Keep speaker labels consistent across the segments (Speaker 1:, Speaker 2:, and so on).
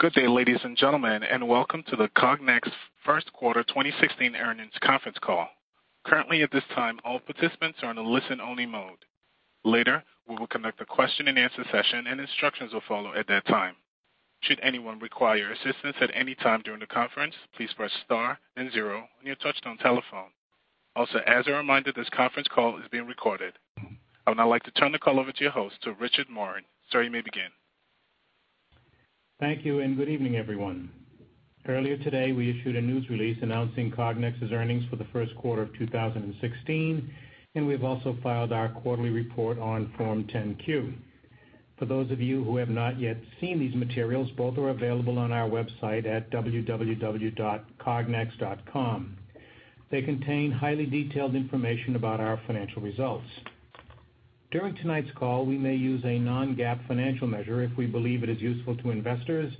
Speaker 1: Good day, ladies and gentlemen, and welcome to the Cognex Q1 2016 Earnings Conference Call. Currently, at this time, all participants are in a listen-only mode. Later, we will conduct a question-and-answer session, and instructions will follow at that time. Should anyone require assistance at any time during the conference, please press star and zero on your touch-tone telephone. Also, as a reminder, this conference call is being recorded. I would now like to turn the call over to your host, Richard Moran. Sir, you may begin.
Speaker 2: Thank you, and good evening, everyone. Earlier today, we issued a news release announcing Cognex's earnings for the Q1 of 2016, and we've also filed our quarterly report on Form 10-Q. For those of you who have not yet seen these materials, both are available on our website at www.cognex.com. They contain highly detailed information about our financial results. During tonight's call, we may use a non-GAAP financial measure if we believe it is useful to investors,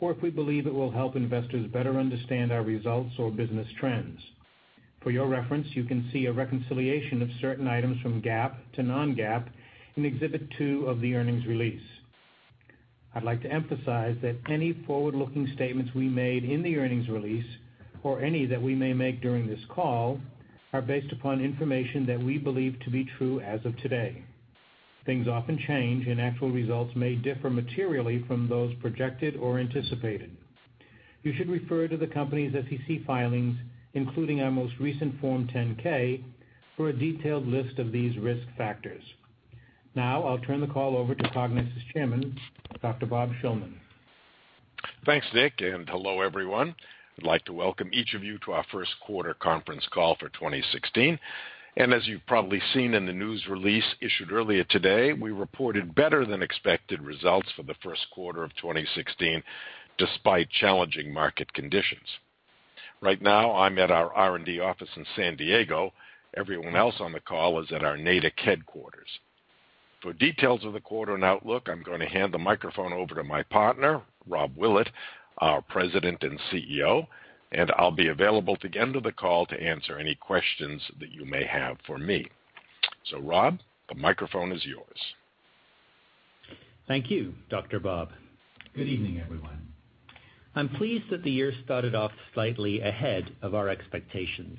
Speaker 2: or if we believe it will help investors better understand our results or business trends. For your reference, you can see a reconciliation of certain items from GAAP to non-GAAP in Exhibit 2 of the earnings release. I'd like to emphasize that any forward-looking statements we made in the earnings release, or any that we may make during this call, are based upon information that we believe to be true as of today. Things often change, and actual results may differ materially from those projected or anticipated. You should refer to the company's SEC filings, including our most recent Form 10-K, for a detailed list of these risk factors. Now, I'll turn the call over to Cognex's Chairman, Dr. Bob Shillman.
Speaker 3: Thanks, Dick, and hello, everyone. I'd like to welcome each of you to our Q1 Conference Call for 2016. You've probably seen in the news release issued earlier today, we reported better-than-expected results for the Q1 of 2016, despite challenging market conditions. Right now, I'm at our R&D office in San Diego. Everyone else on the call is at our Natick headquarters. For details of the quarter and outlook, I'm going to hand the microphone over to my partner, Rob Willett, our President and CEO, and I'll be available at the end of the call to answer any questions that you may have for me. So, Rob, the microphone is yours.
Speaker 4: Thank you, Dr. Bob. Good evening, everyone. I'm pleased that the year started off slightly ahead of our expectations.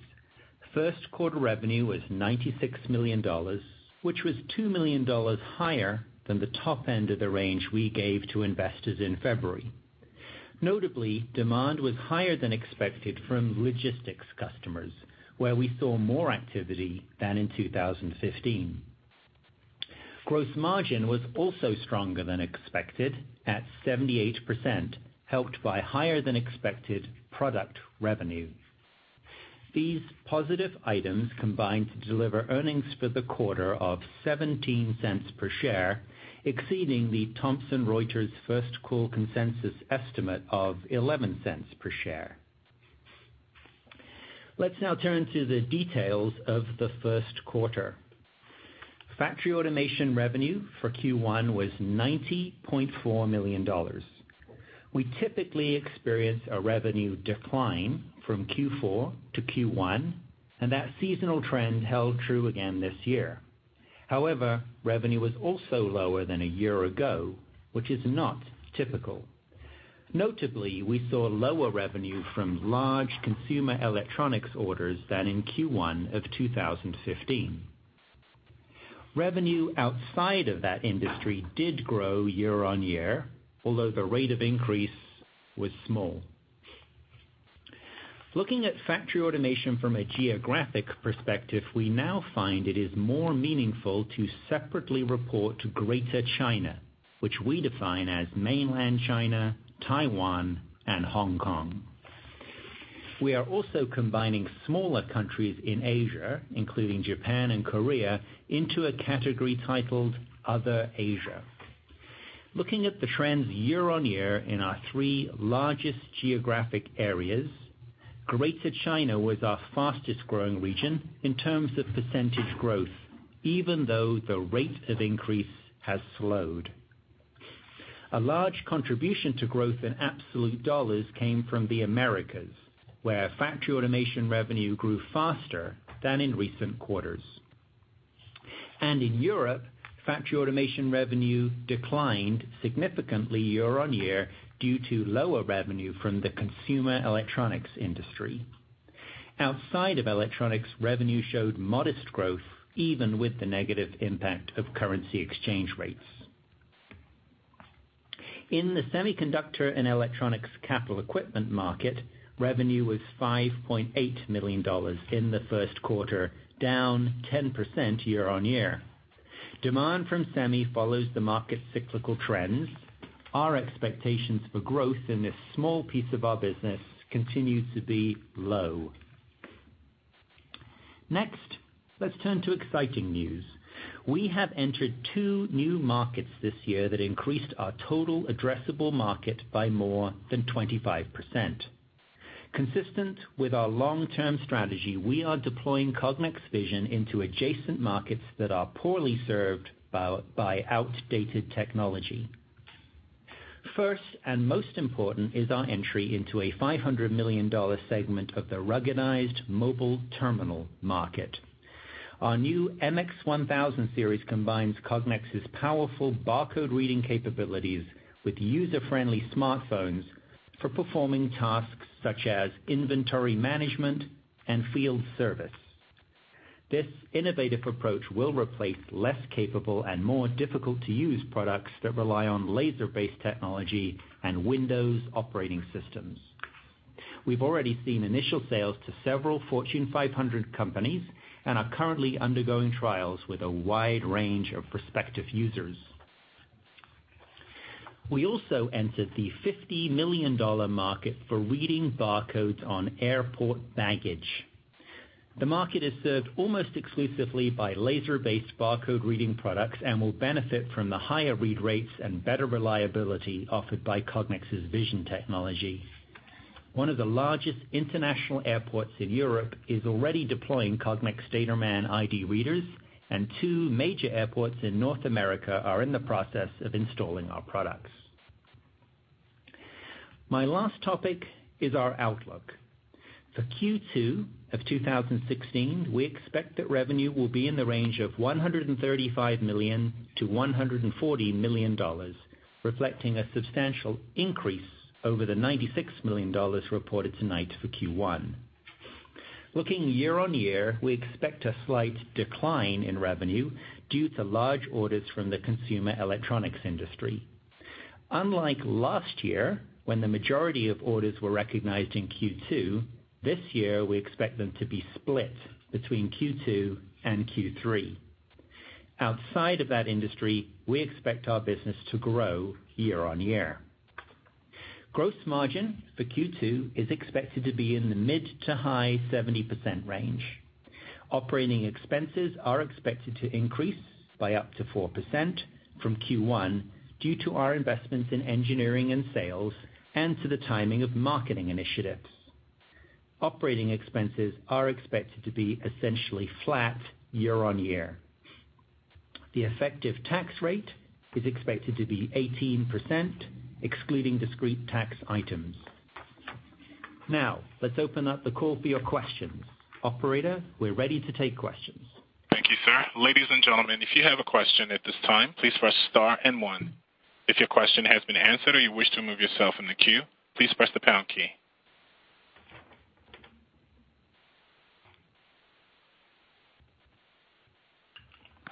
Speaker 4: Q1 revenue was $96 million, which was $2 million higher than the top end of the range we gave to investors in February. Notably, demand was higher than expected from logistics customers, where we saw more activity than in 2015. Gross margin was also stronger than expected at 78%, helped by higher-than-expected product revenue. These positive items combined to deliver earnings for the quarter of $0.17 per share, exceeding the Thomson Reuters First Call consensus estimate of $0.11 per share. Let's now turn to the details of the Q1. Factory automation revenue for Q1 was $90.4 million. We typically experience a revenue decline from Q4 to Q1, and that seasonal trend held true again this year. However, revenue was also lower than a year ago, which is not typical. Notably, we saw lower revenue from large consumer electronics orders than in Q1 of 2015. Revenue outside of that industry did grow year-over-year, although the rate of increase was small. Looking at factory automation from a geographic perspective, we now find it is more meaningful to separately report to Greater China, which we define as mainland China, Taiwan, and Hong Kong. We are also combining smaller countries in Asia, including Japan and Korea, into a category titled Other Asia. Looking at the trends year-over-year in our three largest geographic areas, Greater China was our fastest-growing region in terms of percentage growth, even though the rate of increase has slowed. A large contribution to growth in absolute dollars came from the Americas, where factory automation revenue grew faster than in recent quarters. In Europe, factory automation revenue declined significantly year-over-year due to lower revenue from the consumer electronics industry. Outside of electronics, revenue showed modest growth, even with the negative impact of currency exchange rates. In the semiconductor and electronics capital equipment market, revenue was $5.8 million in the Q1, down 10% year-over-year. Demand from semi follows the market's cyclical trends. Our expectations for growth in this small piece of our business continue to be low. Next, let's turn to exciting news. We have entered two new markets this year that increased our total addressable market by more than 25%. Consistent with our long-term strategy, we are deploying Cognex's vision into adjacent markets that are poorly served by outdated technology. First and most important is our entry into a $500 million segment of the ruggedized mobile terminal market. Our new MX-1000 series combines Cognex's powerful barcode reading capabilities with user-friendly smartphones for performing tasks such as inventory management and field service. This innovative approach will replace less capable and more difficult-to-use products that rely on laser-based technology and Windows operating systems. We've already seen initial sales to several Fortune 500 companies and are currently undergoing trials with a wide range of prospective users. We also entered the $50 million market for reading barcodes on airport baggage. The market is served almost exclusively by laser-based barcode reading products and will benefit from the higher read rates and better reliability offered by Cognex's vision technology. One of the largest international airports in Europe is already deploying Cognex DataMan ID readers, and two major airports in North America are in the process of installing our products. My last topic is our outlook. For Q2 of 2016, we expect that revenue will be in the range of $135 million-$140 million, reflecting a substantial increase over the $96 million reported tonight for Q1. Looking year-over-year, we expect a slight decline in revenue due to large orders from the consumer electronics industry. Unlike last year, when the majority of orders were recognized in Q2, this year we expect them to be split between Q2 and Q3. Outside of that industry, we expect our business to grow year-over-year. Gross margin for Q2 is expected to be in the mid- to high-70% range. Operating expenses are expected to increase by up to 4% from Q1 due to our investments in engineering and sales and to the timing of marketing initiatives. Operating expenses are expected to be essentially flat year-over-year. The effective tax rate is expected to be 18%, excluding discrete tax items. Now, let's open up the call for your questions. Operator, we're ready to take questions.
Speaker 1: Thank you, sir. Ladies and gentlemen, if you have a question at this time, please press star and one. If your question has been answered or you wish to remove yourself from the queue, please press the pound key.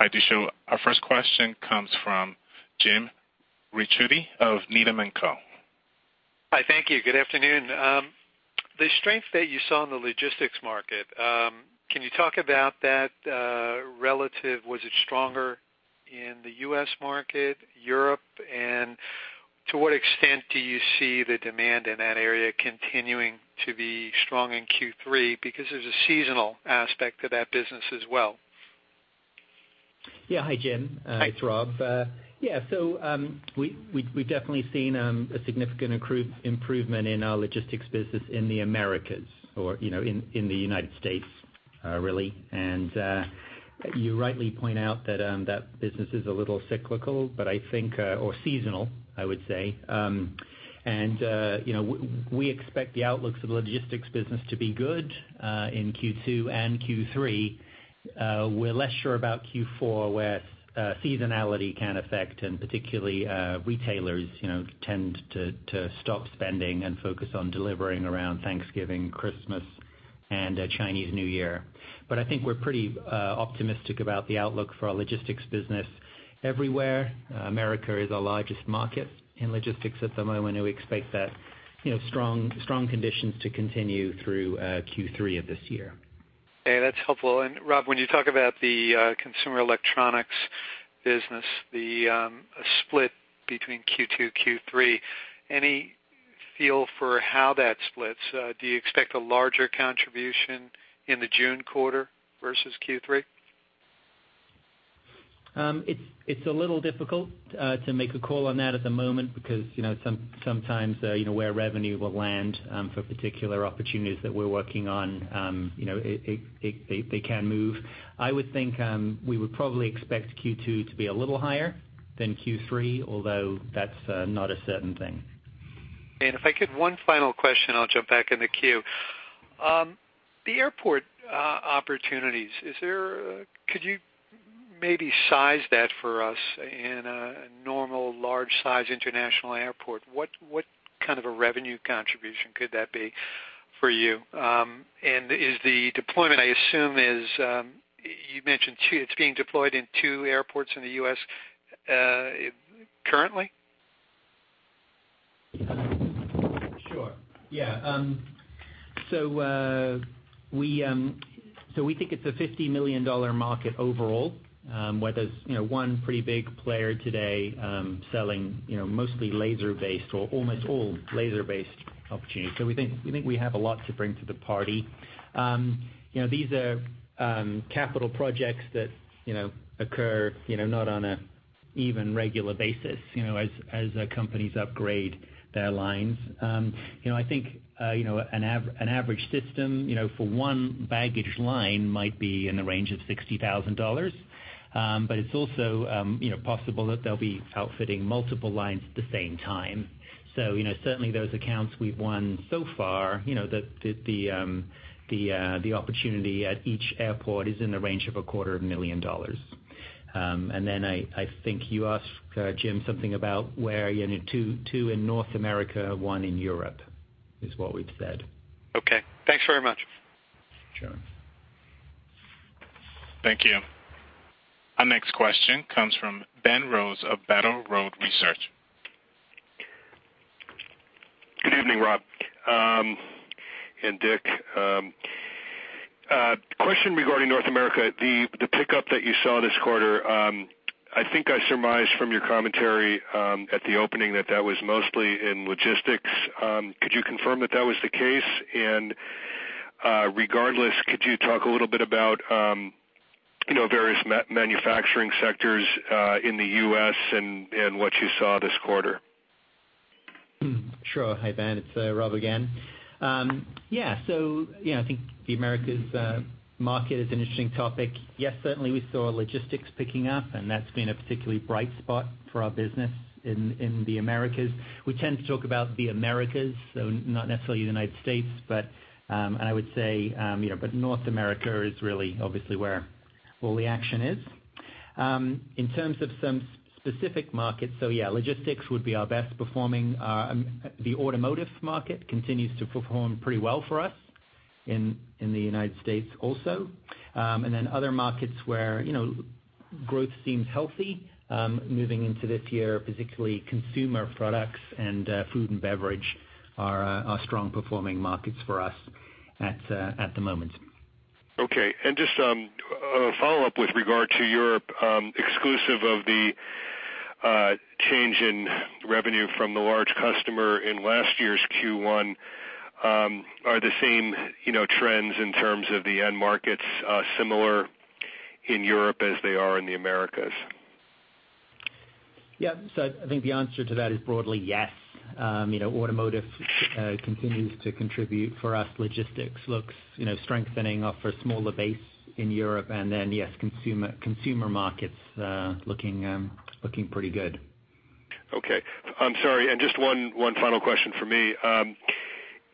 Speaker 1: All right, DeShawn, our first question comes from Jim Ricchiuti of Needham & Company.
Speaker 5: Hi, thank you. Good afternoon. The strength that you saw in the logistics market, can you talk about that relative? Was it stronger in the U.S. market, Europe, and to what extent do you see the demand in that area continuing to be strong in Q3? Because there's a seasonal aspect to that business as well.
Speaker 4: Yeah, hi, Jim.
Speaker 5: Hi.
Speaker 4: It's Rob. Yeah, so we've definitely seen a significant improvement in our logistics business in the Americas, or in the United States, really. And you rightly point out that that business is a little cyclical, but I think, or seasonal, I would say. And we expect the outlooks of the logistics business to be good in Q2 and Q3. We're less sure about Q4, where seasonality can affect, and particularly retailers tend to stop spending and focus on delivering around Thanksgiving, Christmas, and Chinese New Year. But I think we're pretty optimistic about the outlook for our logistics business everywhere. America is our largest market in logistics at the moment, and we expect that strong conditions to continue through Q3 of this year.
Speaker 5: Hey, that's helpful. And Rob, when you talk about the consumer electronics business, the split between Q2 and Q3, any feel for how that splits? Do you expect a larger contribution in the June quarter versus Q3?
Speaker 4: It's a little difficult to make a call on that at the moment because sometimes where revenue will land for particular opportunities that we're working on, they can move. I would think we would probably expect Q2 to be a little higher than Q3, although that's not a certain thing.
Speaker 5: If I could, one final question, I'll jump back in the queue. The airport opportunities, could you maybe size that for us in a normal large-sized international airport? What kind of a revenue contribution could that be for you? Is the deployment, I assume, as you mentioned, it's being deployed in 2 airports in the U.S. currently?
Speaker 4: Sure. Yeah. So we think it's a $50 million market overall, where there's one pretty big player today selling mostly laser-based, or almost all laser-based opportunities. So we think we have a lot to bring to the party. These are capital projects that occur not on an even regular basis as companies upgrade their lines. I think an average system for one baggage line might be in the range of $60,000, but it's also possible that they'll be outfitting multiple lines at the same time. So certainly those accounts we've won so far, the opportunity at each airport is in the range of $250,000. And then I think you asked Jim something about where two in North America, one in Europe is what we've said.
Speaker 5: Okay. Thanks very much.
Speaker 4: Sure.
Speaker 1: Thank you. Our next question comes from Ben Rose of Battle Road Research.
Speaker 6: Good evening, Rob and Dick. Question regarding North America. The pickup that you saw this quarter, I think I surmised from your commentary at the opening that that was mostly in logistics. Could you confirm that that was the case? And regardless, could you talk a little bit about various manufacturing sectors in the U.S. and what you saw this quarter?
Speaker 4: Sure. Hi, Ben. It's Rob again. Yeah, so I think the Americas market is an interesting topic. Yes, certainly we saw logistics picking up, and that's been a particularly bright spot for our business in the Americas. We tend to talk about the Americas, so not necessarily the United States, and I would say, but North America is really obviously where all the action is. In terms of some specific markets, so yeah, logistics would be our best performing. The automotive market continues to perform pretty well for us in the United States also. And then other markets where growth seems healthy moving into this year, particularly consumer products and food and beverage are strong-performing markets for us at the moment.
Speaker 6: Okay. Just a follow-up with regard to Europe, exclusive of the change in revenue from the large customer in last year's Q1, are the same trends in terms of the end markets similar in Europe as they are in the Americas?
Speaker 4: Yeah, so I think the answer to that is broadly yes. Automotive continues to contribute for us. Logistics looks strengthening off a smaller base in Europe. And then, yes, consumer markets looking pretty good.
Speaker 6: Okay. I'm sorry. And just one final question for me.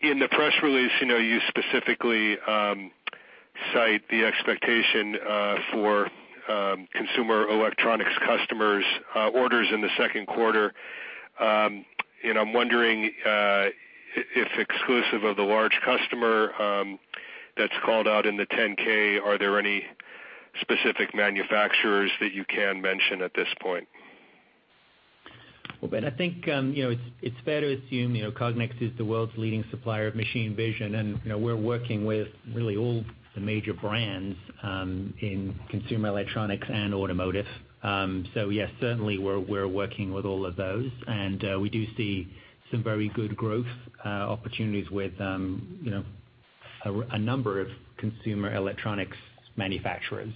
Speaker 6: In the press release, you specifically cite the expectation for consumer electronics customers' orders in the Q2. I'm wondering if exclusive of the large customer that's called out in the 10-K, are there any specific manufacturers that you can mention at this point?
Speaker 4: Well, Ben, I think it's fair to assume Cognex is the world's leading supplier of machine vision, and we're working with really all the major brands in consumer electronics and automotive. So yes, certainly we're working with all of those. We do see some very good growth opportunities with a number of consumer electronics manufacturers.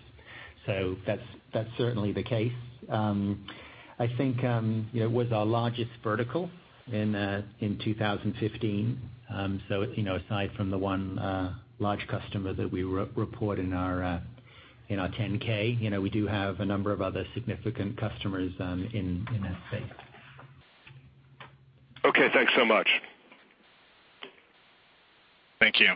Speaker 4: That's certainly the case. I think it was our largest vertical in 2015. Aside from the one large customer that we report in our 10-K, we do have a number of other significant customers in that space.
Speaker 6: Okay. Thanks so much.
Speaker 1: Thank you.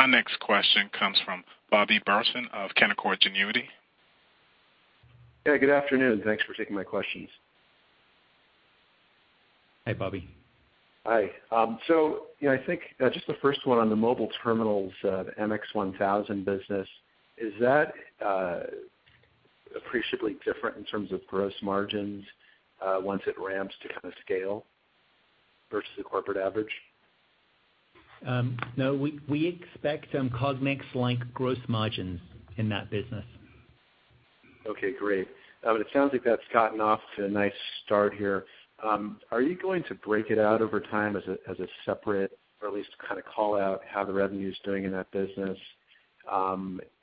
Speaker 1: Our next question comes from Bobby Burleson of Canaccord Genuity.
Speaker 7: Hey, good afternoon. Thanks for taking my questions.
Speaker 4: Hey, Bobby.
Speaker 7: Hi. So I think just the first one on the mobile terminals, the MX-1000 business, is that appreciably different in terms of gross margins once it ramps to kind of scale versus the corporate average?
Speaker 4: No, we expect Cognex-like gross margins in that business.
Speaker 7: Okay, great. It sounds like that's gotten off to a nice start here. Are you going to break it out over time as a separate or at least kind of call out how the revenue is doing in that business?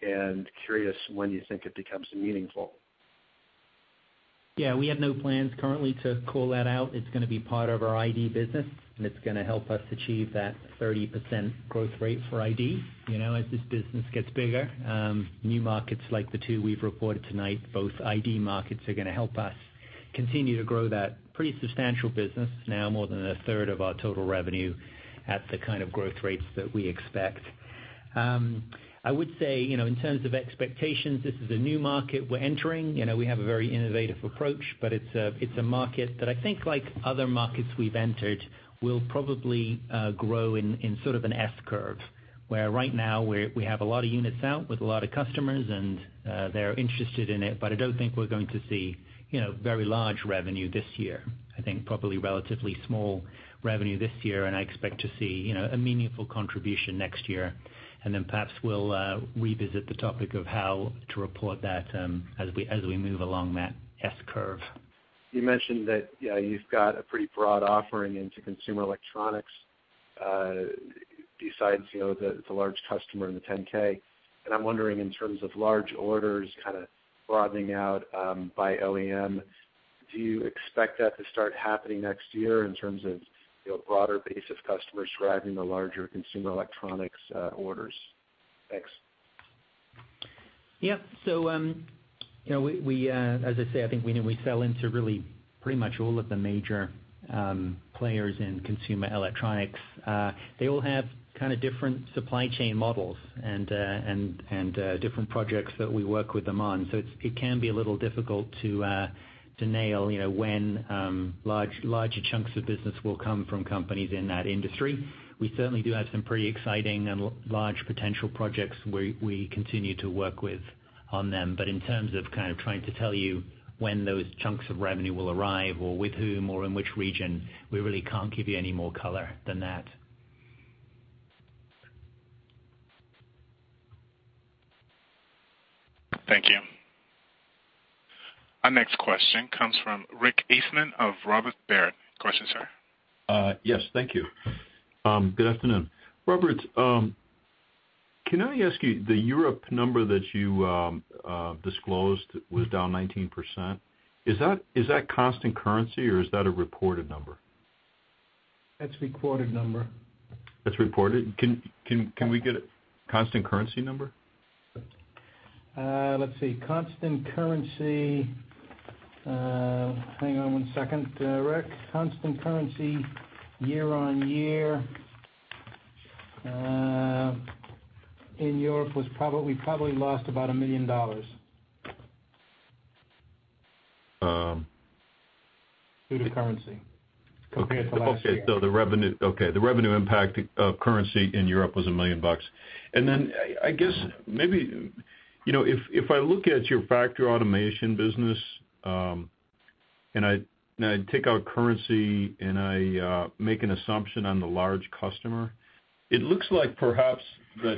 Speaker 7: And curious when you think it becomes meaningful.
Speaker 4: Yeah, we have no plans currently to call that out. It's going to be part of our ID business, and it's going to help us achieve that 30% growth rate for ID as this business gets bigger. New markets like the 2 we've reported tonight, both ID markets, are going to help us continue to grow that pretty substantial business, now more than a third of our total revenue at the kind of growth rates that we expect. I would say in terms of expectations, this is a new market we're entering. We have a very innovative approach, but it's a market that I think, like other markets we've entered, will probably grow in sort of an S-curve, where right now we have a lot of units out with a lot of customers, and they're interested in it. But I don't think we're going to see very large revenue this year. I think probably relatively small revenue this year, and I expect to see a meaningful contribution next year. And then perhaps we'll revisit the topic of how to report that as we move along that S-curve.
Speaker 7: You mentioned that you've got a pretty broad offering into consumer electronics besides the large customer in the 10-K. And I'm wondering in terms of large orders kind of broadening out by OEM, do you expect that to start happening next year in terms of a broader base of customers driving the larger consumer electronics orders? Thanks.
Speaker 4: Yeah. So as I say, I think we sell into really pretty much all of the major players in consumer electronics. They all have kind of different supply chain models and different projects that we work with them on. So it can be a little difficult to nail when larger chunks of business will come from companies in that industry. We certainly do have some pretty exciting and large potential projects we continue to work with on them. But in terms of kind of trying to tell you when those chunks of revenue will arrive or with whom or in which region, we really can't give you any more color than that.
Speaker 1: Thank you. Our next question comes from Rick Eastman of Robert W. Baird. Question, sir?
Speaker 8: Yes, thank you. Good afternoon. Robert, can I ask you, the Europe number that you disclosed was down 19%. Is that constant currency, or is that a reported number?
Speaker 4: That's a reported number.
Speaker 8: That's reported? Can we get a constant currency number?
Speaker 4: Let's see. Constant currency. Hang on one second, Rick. Constant currency year-over-year in Europe, we probably lost about $1 million due to currency compared to last year.
Speaker 8: Okay. So the revenue impact of currency in Europe was $1 million. And then I guess maybe if I look at your factory automation business, and I take our currency and I make an assumption on the large customer, it looks like perhaps that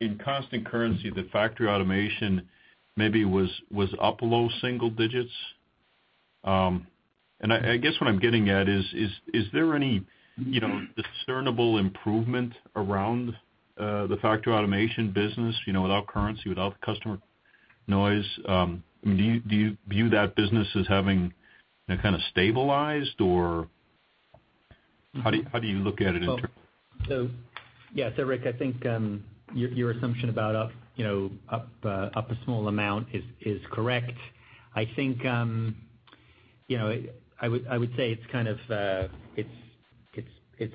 Speaker 8: in constant currency, the factory automation maybe was up low single digits. And I guess what I'm getting at is, is there any discernible improvement around the factory automation business without currency, without customer noise? Do you view that business as having kind of stabilized, or how do you look at it in terms?
Speaker 4: So yeah, so Rick, I think your assumption about up a small amount is correct. I think I would say it's kind of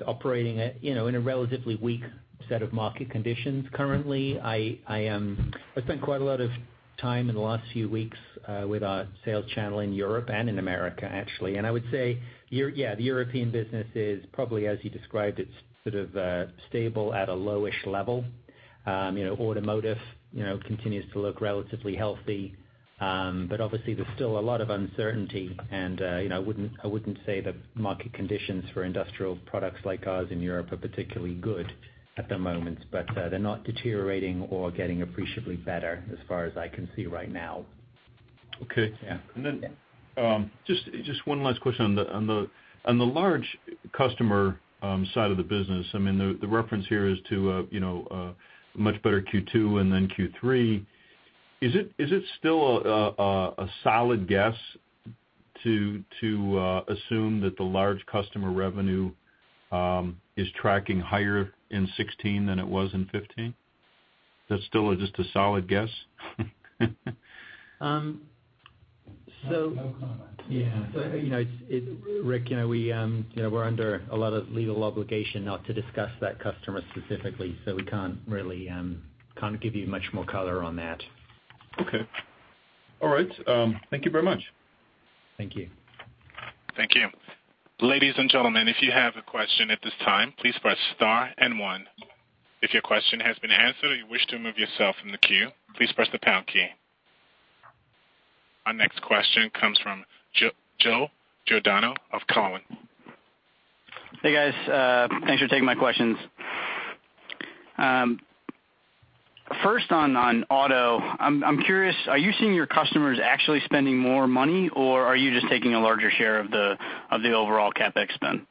Speaker 4: operating in a relatively weak set of market conditions currently. I spent quite a lot of time in the last few weeks with our sales channel in Europe and in America, actually. And I would say, yeah, the European business is probably, as you described, it's sort of stable at a low-ish level. Automotive continues to look relatively healthy, but obviously there's still a lot of uncertainty. And I wouldn't say the market conditions for industrial products like ours in Europe are particularly good at the moment, but they're not deteriorating or getting appreciably better as far as I can see right now.
Speaker 8: Okay. And then just one last question on the large customer side of the business. I mean, the reference here is to a much better Q2 and then Q3. Is it still a solid guess to assume that the large customer revenue is tracking higher in 2016 than it was in 2015? That's still just a solid guess?
Speaker 4: So yeah. So Rick, we're under a lot of legal obligation not to discuss that customer specifically, so we can't really give you much more color on that.
Speaker 8: Okay. All right. Thank you very much.
Speaker 4: Thank you.
Speaker 1: Thank you. Ladies and gentlemen, if you have a question at this time, please press star and one. If your question has been answered or you wish to remove yourself from the queue, please press the pound key. Our next question comes from Joe Giordano of Cowen.
Speaker 9: Hey, guys. Thanks for taking my questions. First, on auto, I'm curious, are you seeing your customers actually spending more money, or are you just taking a larger share of the overall CapEx spend?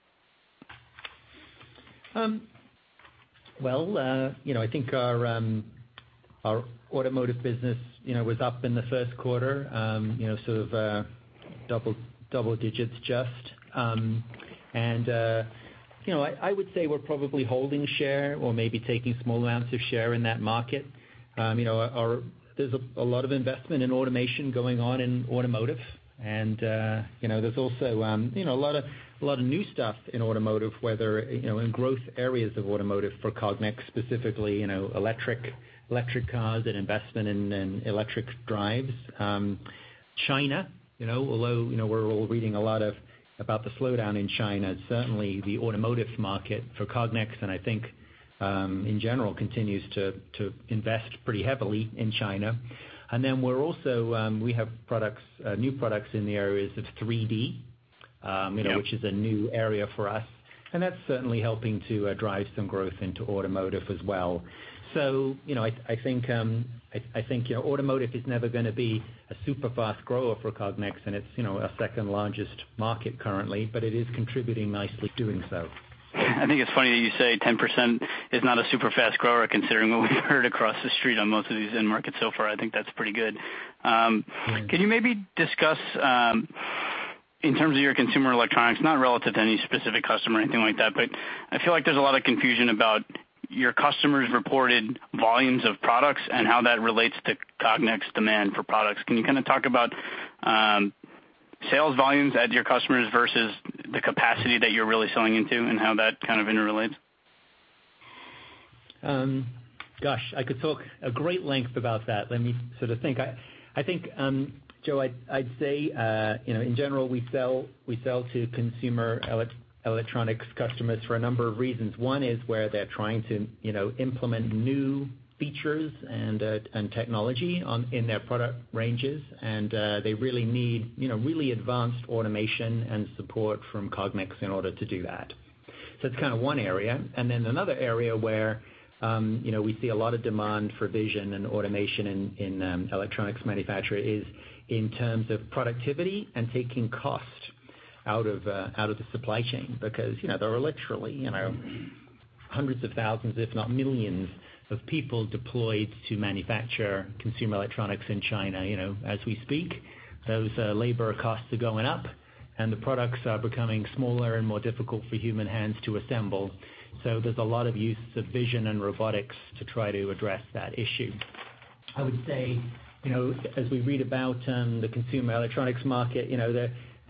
Speaker 4: Well, I think our automotive business was up in the Q1, sort of double digits, just. I would say we're probably holding share or maybe taking small amounts of share in that market. There's a lot of investment in automation going on in automotive. There's also a lot of new stuff in automotive, whether in growth areas of automotive for Cognex specifically, electric cars and investment in electric drives. China, although we're all reading a lot about the slowdown in China, certainly the automotive market for Cognex, and I think in general continues to invest pretty heavily in China. Then we have new products in the areas of 3D, which is a new area for us. That's certainly helping to drive some growth into automotive as well. So I think automotive is never going to be a super fast grower for Cognex, and it's our second largest market currently, but it is contributing nicely doing so.
Speaker 9: I think it's funny that you say 10% is not a super fast grower considering what we've heard across the street on most of these end markets so far. I think that's pretty good. Can you maybe discuss in terms of your consumer electronics, not relative to any specific customer or anything like that, but I feel like there's a lot of confusion about your customers' reported volumes of products and how that relates to Cognex demand for products. Can you kind of talk about sales volumes at your customers versus the capacity that you're really selling into and how that kind of interrelates?
Speaker 4: Gosh, I could talk a great length about that. Let me sort of think. I think, Joe, I'd say in general, we sell to consumer electronics customers for a number of reasons. One is where they're trying to implement new features and technology in their product ranges, and they really need really advanced automation and support from Cognex in order to do that. So that's kind of one area. And then another area where we see a lot of demand for vision and automation in electronics manufacturing is in terms of productivity and taking cost out of the supply chain because there are literally hundreds of thousands, if not millions, of people deployed to manufacture consumer electronics in China as we speak. Those labor costs are going up, and the products are becoming smaller and more difficult for human hands to assemble. So there's a lot of use of vision and robotics to try to address that issue. I would say as we read about the consumer electronics market,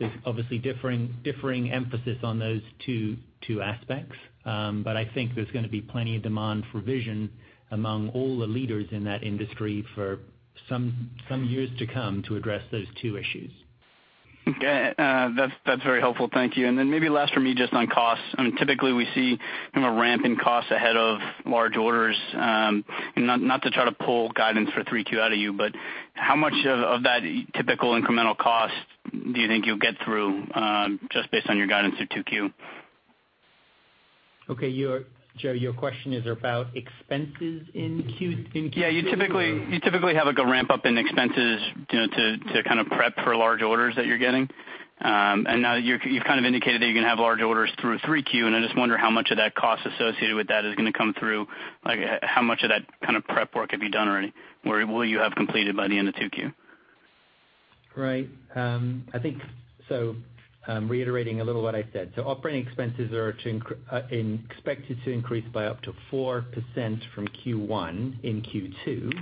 Speaker 4: there's obviously differing emphasis on those two aspects. But I think there's going to be plenty of demand for vision among all the leaders in that industry for some years to come to address those two issues.
Speaker 9: Okay. That's very helpful. Thank you. And then maybe last for me just on costs. I mean, typically we see a ramp in costs ahead of large orders. Not to try to pull guidance for 3Q out of you, but how much of that typical incremental cost do you think you'll get through just based on your guidance of 2Q?
Speaker 4: Okay. Joe, your question is about expenses in Q2?
Speaker 9: Yeah. You typically have a ramp up in expenses to kind of prep for large orders that you're getting. And now you've kind of indicated that you're going to have large orders through 3Q, and I just wonder how much of that cost associated with that is going to come through. How much of that kind of prep work have you done already? What will you have completed by the end of 2Q?
Speaker 4: Right. So reiterating a little what I said. So operating expenses are expected to increase by up to 4% from Q1 in Q2.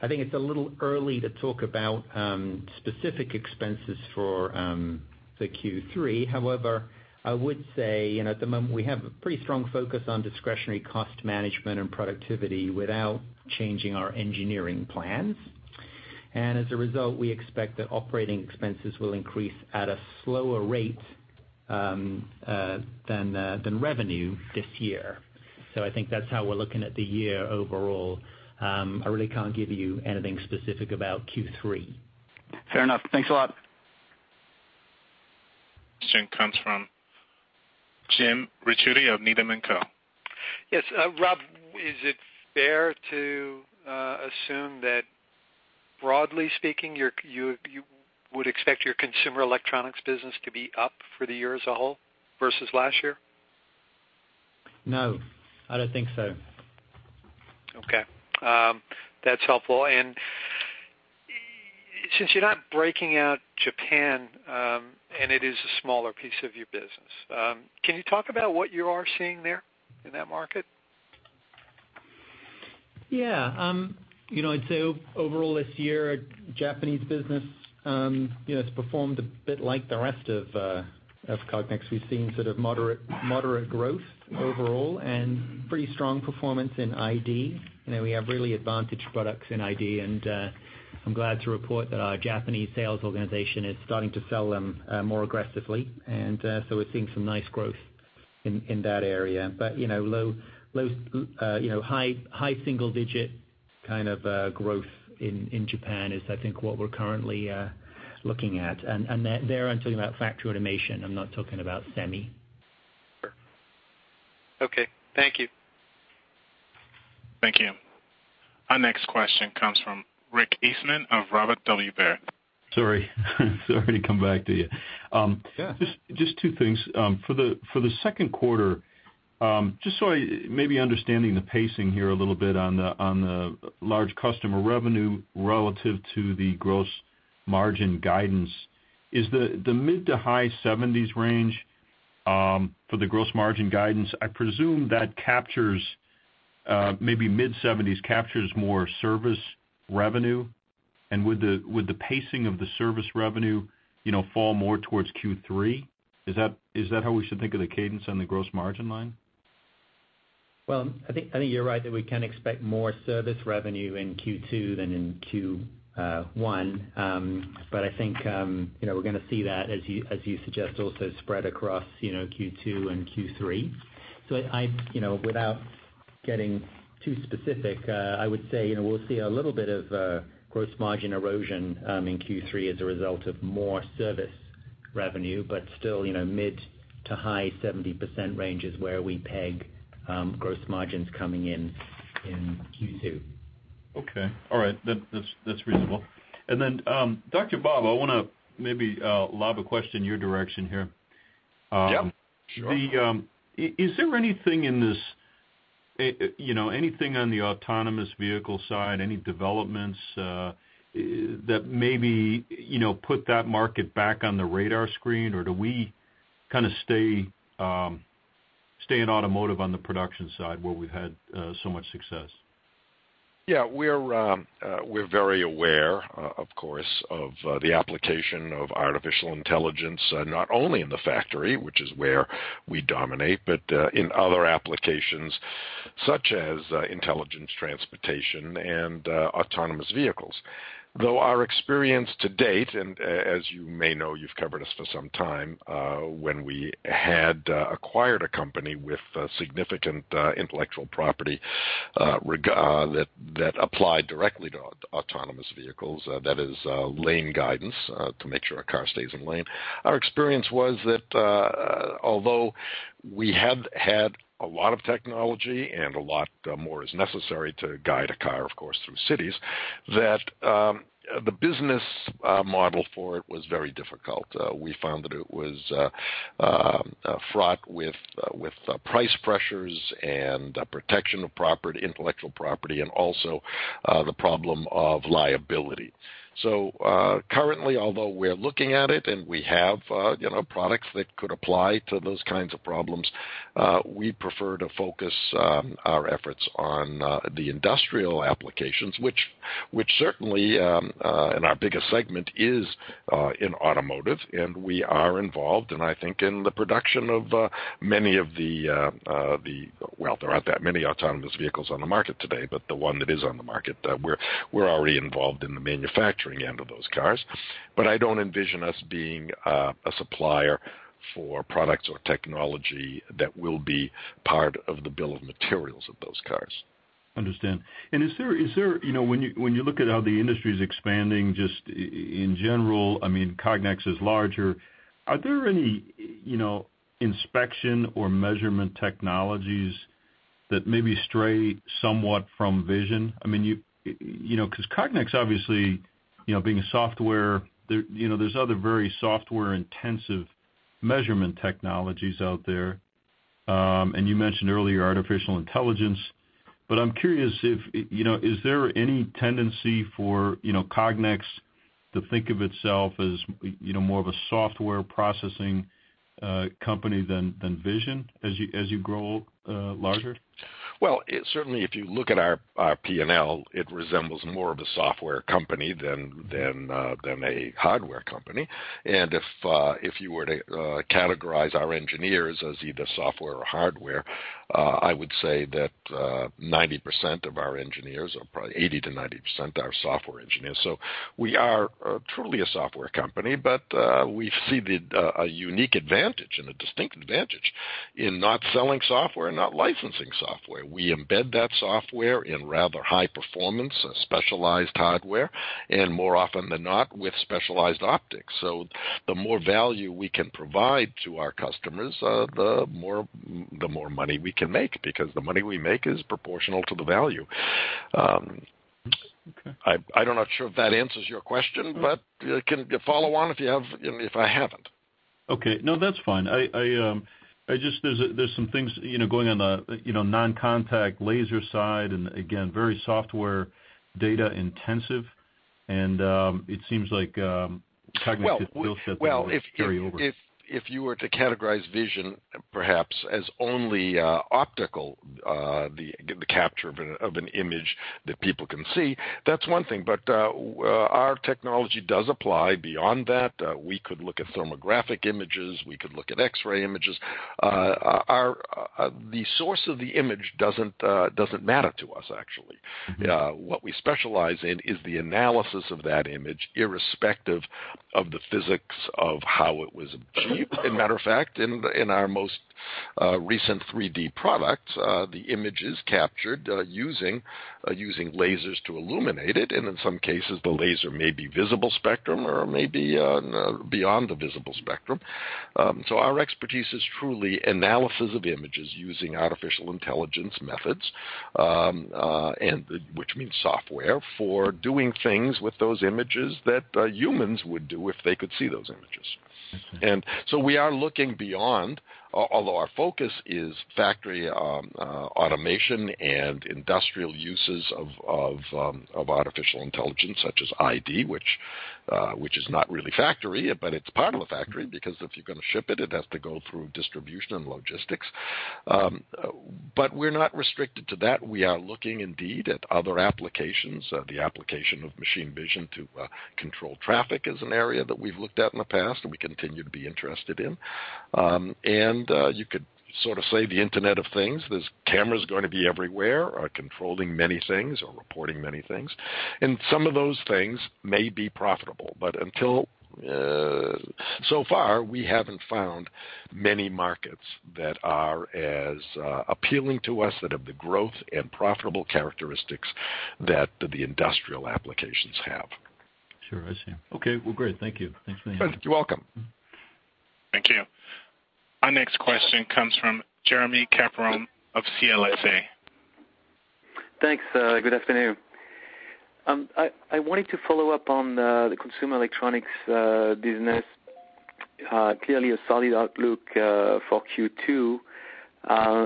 Speaker 4: I think it's a little early to talk about specific expenses for Q3. However, I would say at the moment we have a pretty strong focus on discretionary cost management and productivity without changing our engineering plans. And as a result, we expect that operating expenses will increase at a slower rate than revenue this year. So I think that's how we're looking at the year overall. I really can't give you anything specific about Q3.
Speaker 9: Fair enough. Thanks a lot.
Speaker 1: Question comes from Jim Ricchiuti of Needham & Company.
Speaker 5: Yes. Rob, is it fair to assume that broadly speaking, you would expect your consumer electronics business to be up for the year as a whole versus last year?
Speaker 4: No. I don't think so.
Speaker 5: Okay. That's helpful. And since you're not breaking out Japan, and it is a smaller piece of your business, can you talk about what you are seeing there in that market?
Speaker 4: Yeah. I'd say overall this year, Japanese business has performed a bit like the rest of Cognex. We've seen sort of moderate growth overall and pretty strong performance in ID. We have really advantaged products in ID, and I'm glad to report that our Japanese sales organization is starting to sell them more aggressively. And so we're seeing some nice growth in that area. But low- to high-single-digit kind of growth in Japan is, I think, what we're currently looking at. And there, I'm talking about factory automation. I'm not talking about semi.
Speaker 5: Okay. Thank you.
Speaker 1: Thank you. Our next question comes from Rick Eastman of Robert W. Baird.
Speaker 8: Sorry. Sorry to come back to you. Just two things. For the Q2, just so I may be understanding the pacing here a little bit on the large customer revenue relative to the gross margin guidance, is the mid- to high-70s range for the gross margin guidance, I presume that maybe mid-70s captures more service revenue. And would the pacing of the service revenue fall more towards Q3? Is that how we should think of the cadence on the gross margin line?
Speaker 4: Well, I think you're right that we can expect more service revenue in Q2 than in Q1. But I think we're going to see that, as you suggest, also spread across Q2 and Q3. So without getting too specific, I would say we'll see a little bit of gross margin erosion in Q3 as a result of more service revenue, but still mid-to-high 70% range is where we peg gross margins coming in Q2.
Speaker 8: Okay. All right. That's reasonable. And then Dr. Bob, I want to maybe lob a question your direction here. Is there anything in this, anything on the autonomous vehicle side, any developments that maybe put that market back on the radar screen, or do we kind of stay in automotive on the production side where we've had so much success?
Speaker 3: Yeah. We're very aware, of course, of the application of artificial intelligence, not only in the factory, which is where we dominate, but in other applications such as intelligent transportation and autonomous vehicles. Though our experience to date, and as you may know, you've covered us for some time, when we had acquired a company with significant intellectual property that applied directly to autonomous vehicles, that is lane guidance to make sure a car stays in lane. Our experience was that although we had had a lot of technology and a lot more is necessary to guide a car, of course, through cities, that the business model for it was very difficult. We found that it was fraught with price pressures and protection of intellectual property and also the problem of liability. So currently, although we're looking at it and we have products that could apply to those kinds of problems, we prefer to focus our efforts on the industrial applications, which certainly in our biggest segment is in automotive. And we are involved, and I think in the production of many of the, well, there aren't that many autonomous vehicles on the market today, but the one that is on the market, we're already involved in the manufacturing end of those cars. But I don't envision us being a supplier for products or technology that will be part of the bill of materials of those cars.
Speaker 8: Understand. And when you look at how the industry is expanding just in general, I mean, Cognex is larger, are there any inspection or measurement technologies that maybe stray somewhat from vision? I mean, because Cognex, obviously, being a software, there's other very software-intensive measurement technologies out there. And you mentioned earlier artificial intelligence. But I'm curious, is there any tendency for Cognex to think of itself as more of a software processing company than vision as you grow larger?
Speaker 3: Well, certainly, if you look at our P&L, it resembles more of a software company than a hardware company. And if you were to categorize our engineers as either software or hardware, I would say that 90% of our engineers are probably 80%-90% are software engineers. So we are truly a software company, but we've seen a unique advantage and a distinct advantage in not selling software and not licensing software. We embed that software in rather high-performance, specialized hardware, and more often than not with specialized optics. So the more value we can provide to our customers, the more money we can make because the money we make is proportional to the value. I'm not sure if that answers your question, but can you follow on if you have if I haven't?
Speaker 8: Okay. No, that's fine. There's some things going on the non-contact laser side and, again, very software data intensive. It seems like Cognex will set things carry over.
Speaker 3: Well, if you were to categorize vision, perhaps, as only optical, the capture of an image that people can see, that's one thing. But our technology does apply beyond that. We could look at thermographic images. We could look at X-ray images. The source of the image doesn't matter to us, actually. What we specialize in is the analysis of that image irrespective of the physics of how it was achieved. As a matter of fact, in our most recent 3D product, the image is captured using lasers to illuminate it. And in some cases, the laser may be visible spectrum or may be beyond the visible spectrum. So our expertise is truly analysis of images using artificial intelligence methods, which means software for doing things with those images that humans would do if they could see those images. And so we are looking beyond, although our focus is factory automation and industrial uses of artificial intelligence such as ID, which is not really factory, but it's part of the factory because if you're going to ship it, it has to go through distribution and logistics. But we're not restricted to that. We are looking indeed at other applications. The application of machine vision to control traffic is an area that we've looked at in the past and we continue to be interested in. And you could sort of say the Internet of Things. There's cameras going to be everywhere controlling many things or reporting many things. And some of those things may be profitable. But until so far, we haven't found many markets that are as appealing to us that have the growth and profitable characteristics that the industrial applications have.
Speaker 8: Sure. I see. Okay. Well, great. Thank you. Thanks for the invitation.
Speaker 3: You're welcome.
Speaker 1: Thank you. Our next question comes from Jeremy Capron of CLSA.
Speaker 10: Thanks. Good afternoon. I wanted to follow up on the consumer electronics business. Clearly, a solid outlook for Q2.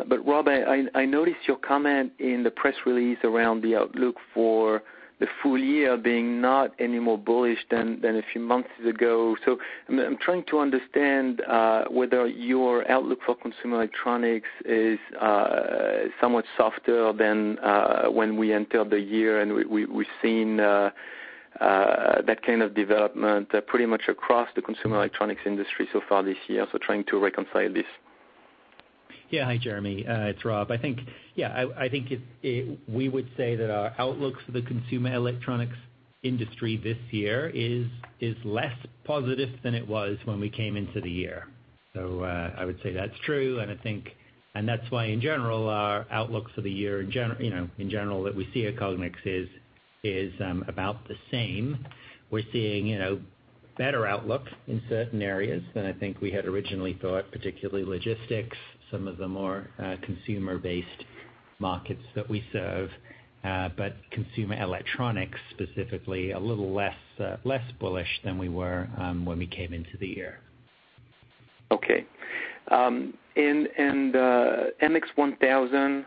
Speaker 10: But Rob, I noticed your comment in the press release around the outlook for the full year being not any more bullish than a few months ago. So I'm trying to understand whether your outlook for consumer electronics is somewhat softer than when we entered the year, and we've seen that kind of development pretty much across the consumer electronics industry so far this year. So trying to reconcile this.
Speaker 4: Yeah. Hi, Jeremy. It's Rob. Yeah. I think we would say that our outlook for the consumer electronics industry this year is less positive than it was when we came into the year. So I would say that's true. And that's why, in general, our outlook for the year in general that we see at Cognex is about the same. We're seeing better outlook in certain areas than I think we had originally thought, particularly logistics, some of the more consumer-based markets that we serve. But consumer electronics, specifically, a little less bullish than we were when we came into the year.
Speaker 10: Okay. And MX-1000,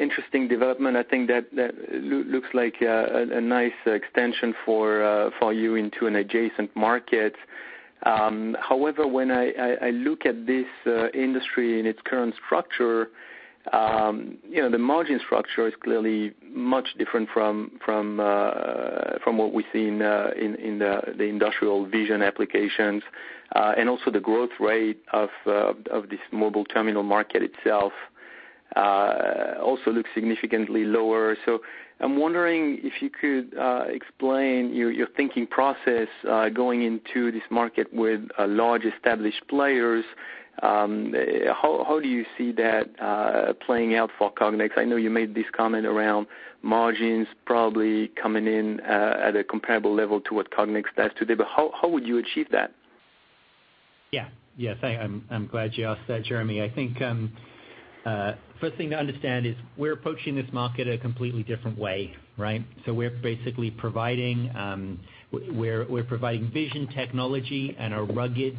Speaker 10: interesting development. I think that looks like a nice extension for you into an adjacent market. However, when I look at this industry in its current structure, the margin structure is clearly much different from what we've seen in the industrial vision applications. And also the growth rate of this mobile terminal market itself also looks significantly lower. So I'm wondering if you could explain your thinking process going into this market with large established players. How do you see that playing out for Cognex? I know you made this comment around margins probably coming in at a comparable level to what Cognex does today. But how would you achieve that?
Speaker 4: Yeah. Yes. I'm glad you asked that, Jeremy. I think first thing to understand is we're approaching this market a completely different way, right? So we're basically providing vision technology and a rugged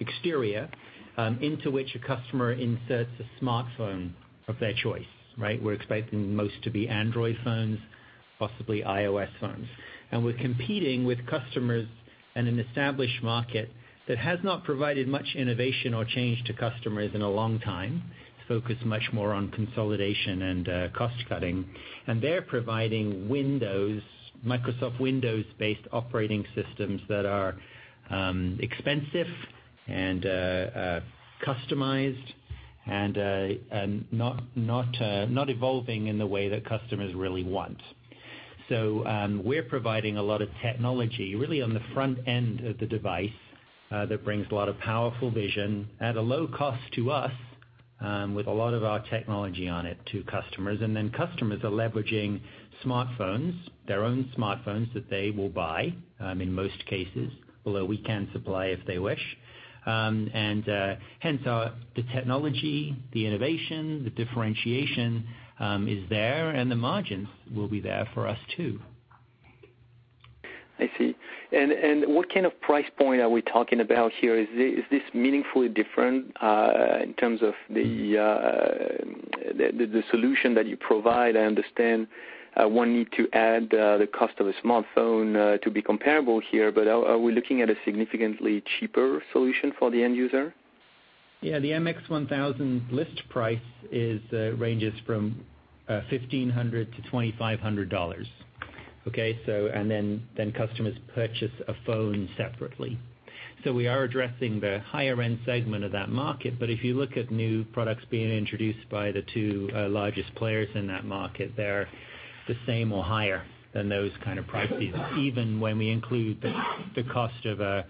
Speaker 4: exterior into which a customer inserts a smartphone of their choice, right? We're expecting most to be Android phones, possibly iOS phones. And we're competing with customers in an established market that has not provided much innovation or change to customers in a long time. It's focused much more on consolidation and cost cutting. And they're providing Microsoft Windows-based operating systems that are expensive and customized and not evolving in the way that customers really want. So we're providing a lot of technology really on the front end of the device that brings a lot of powerful vision at a low cost to us with a lot of our technology on it to customers. Then customers are leveraging smartphones, their own smartphones that they will buy in most cases, although we can supply if they wish. Hence, the technology, the innovation, the differentiation is there, and the margins will be there for us too.
Speaker 10: I see. And what kind of price point are we talking about here? Is this meaningfully different in terms of the solution that you provide? I understand one need to add the cost of a smartphone to be comparable here, but are we looking at a significantly cheaper solution for the end user?
Speaker 4: Yeah. The MX-1000 list price ranges from $1,500-$2,500. Okay? And then customers purchase a phone separately. So we are addressing the higher-end segment of that market. But if you look at new products being introduced by the two largest players in that market, they're the same or higher than those kind of prices, even when we include the cost of a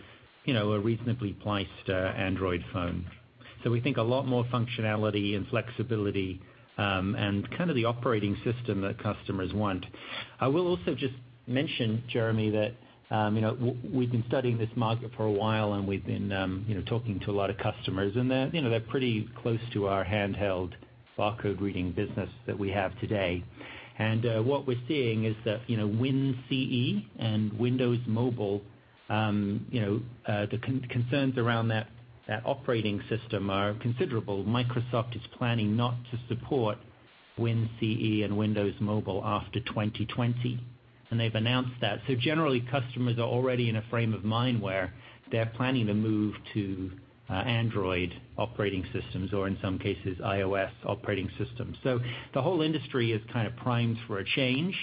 Speaker 4: reasonably priced Android phone. So we think a lot more functionality and flexibility and kind of the operating system that customers want. I will also just mention, Jeremy, that we've been studying this market for a while, and we've been talking to a lot of customers. And they're pretty close to our handheld barcode reading business that we have today. And what we're seeing is that WinCE and Windows Mobile, the concerns around that operating system are considerable. Microsoft is planning not to support WinCE and Windows Mobile after 2020. They've announced that. Generally, customers are already in a frame of mind where they're planning to move to Android operating systems or, in some cases, iOS operating systems. The whole industry is kind of primed for a change.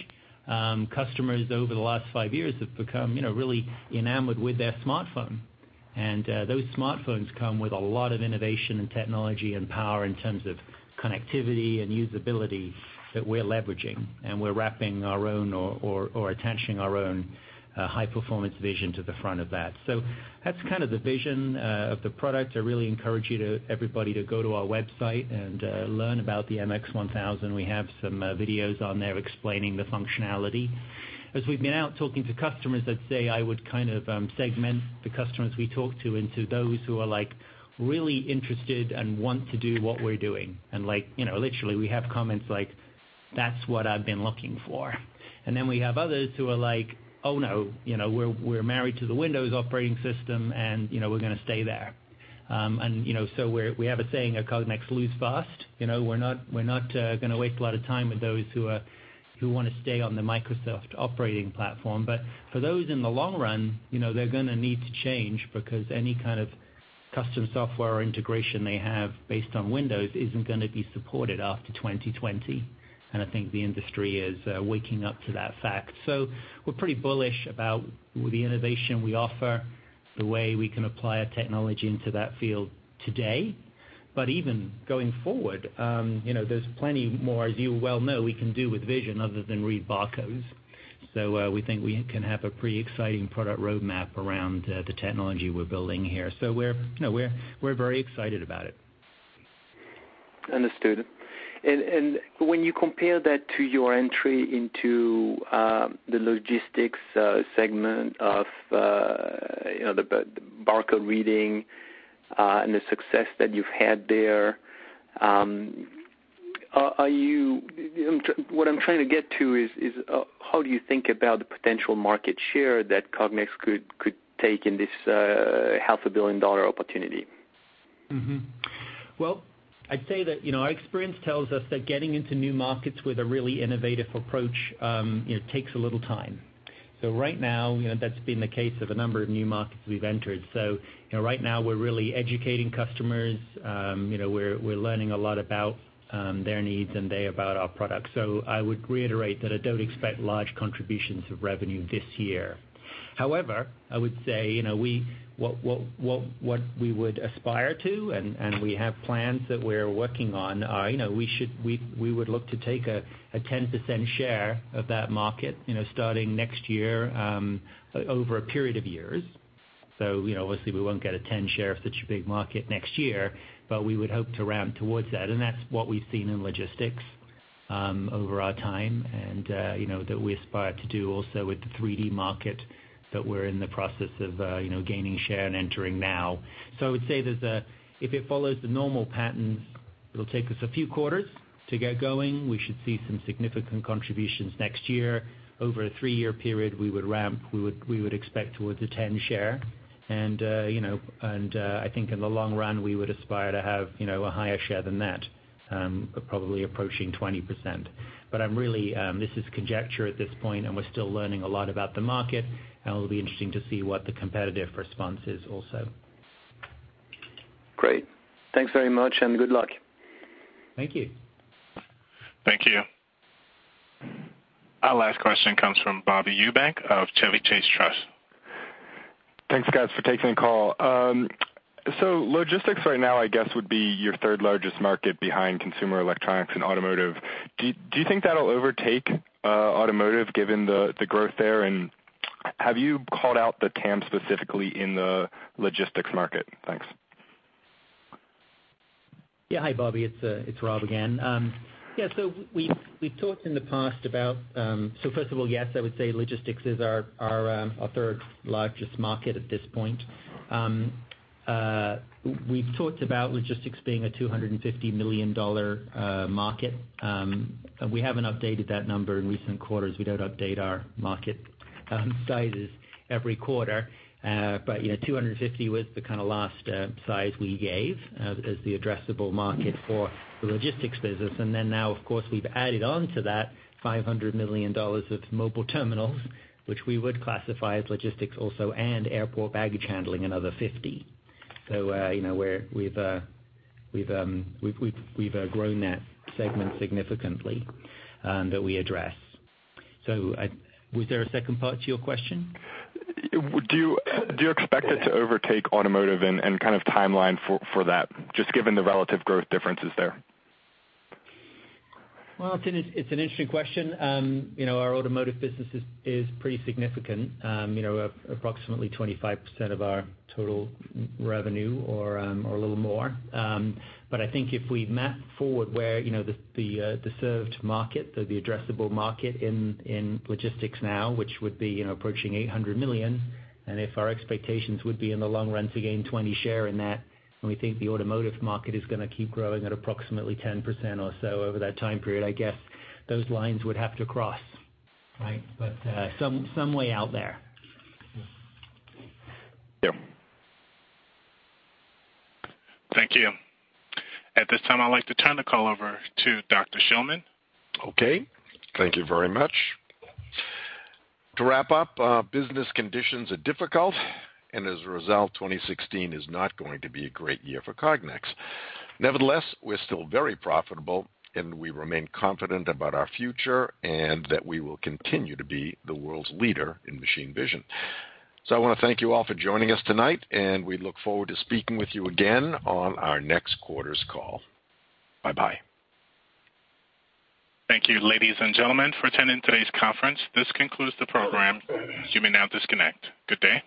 Speaker 4: Customers over the last five years have become really enamored with their smartphone. Those smartphones come with a lot of innovation and technology and power in terms of connectivity and usability that we're leveraging. We're wrapping our own or attaching our own high-performance vision to the front of that. That's kind of the vision of the product. I really encourage everybody to go to our website and learn about the MX-1000. We have some videos on there explaining the functionality. As we've been out talking to customers that say, "I would kind of segment the customers we talk to into those who are really interested and want to do what we're doing." And literally, we have comments like, "That's what I've been looking for." And then we have others who are like, "Oh, no. We're married to the Windows operating system, and we're going to stay there." And so we have a saying, "At Cognex, lose fast." We're not going to waste a lot of time with those who want to stay on the Microsoft operating platform. But for those in the long run, they're going to need to change because any kind of custom software or integration they have based on Windows isn't going to be supported after 2020. And I think the industry is waking up to that fact. So we're pretty bullish about the innovation we offer, the way we can apply our technology into that field today. But even going forward, there's plenty more, as you well know, we can do with vision other than read barcodes. So we think we can have a pretty exciting product roadmap around the technology we're building here. So we're very excited about it.
Speaker 10: Understood. When you compare that to your entry into the logistics segment of the barcode reading and the success that you've had there, what I'm trying to get to is how do you think about the potential market share that Cognex could take in this $500 million opportunity?
Speaker 4: Well, I'd say that our experience tells us that getting into new markets with a really innovative approach takes a little time. So right now, that's been the case of a number of new markets we've entered. So right now, we're really educating customers. We're learning a lot about their needs and they about our product. So I would reiterate that I don't expect large contributions of revenue this year. However, I would say what we would aspire to, and we have plans that we're working on, we would look to take a 10% share of that market starting next year over a period of years. So obviously, we won't get a 10% share of such a big market next year, but we would hope to ramp towards that. And that's what we've seen in logistics over our time and that we aspire to do also with the 3D market that we're in the process of gaining share and entering now. So I would say if it follows the normal pattern, it'll take us a few quarters to get going. We should see some significant contributions next year. Over a 3-year period, we would ramp. We would expect towards a 10 share. And I think in the long run, we would aspire to have a higher share than that, probably approaching 20%. But this is conjecture at this point, and we're still learning a lot about the market. And it'll be interesting to see what the competitive response is also.
Speaker 10: Great. Thanks very much, and good luck.
Speaker 4: Thank you.
Speaker 1: Thank you. Our last question comes from Bobby Eubank of Chevy Chase Trust.
Speaker 11: Thanks, guys, for taking the call. So logistics right now, I guess, would be your third largest market behind consumer electronics and automotive. Do you think that'll overtake automotive given the growth there? And have you called out the TAM specifically in the logistics market? Thanks.
Speaker 4: Yeah. Hi, Bobby. It's Rob again. Yeah. So we've talked in the past about so first of all, yes, I would say logistics is our third largest market at this point. We've talked about logistics being a $250 million market. We haven't updated that number in recent quarters. We don't update our market sizes every quarter. But 250 was the kind of last size we gave as the addressable market for the logistics business. And then now, of course, we've added on to that $500 million of mobile terminals, which we would classify as logistics also, and airport baggage handling, another $50 million. So we've grown that segment significantly that we address. So was there a second part to your question?
Speaker 11: Do you expect it to overtake automotive and kind of timeline for that, just given the relative growth differences there?
Speaker 4: Well, it's an interesting question. Our automotive business is pretty significant, approximately 25% of our total revenue or a little more. But I think if we map forward where the served market, the addressable market in logistics now, which would be approaching $800 million, and if our expectations would be in the long run to gain 20% share in that, and we think the automotive market is going to keep growing at approximately 10% or so over that time period, I guess those lines would have to cross, right? But some way out there.
Speaker 11: Yeah.
Speaker 1: Thank you. At this time, I'd like to turn the call over to Dr. Shillman.
Speaker 3: Okay. Thank you very much. To wrap up, business conditions are difficult, and as a result, 2016 is not going to be a great year for Cognex. Nevertheless, we're still very profitable, and we remain confident about our future and that we will continue to be the world's leader in machine vision. So I want to thank you all for joining us tonight, and we look forward to speaking with you again on our next quarter's call. Bye-bye.
Speaker 1: Thank you, ladies and gentlemen, for attending today's conference. This concludes the program. You may now disconnect. Good day.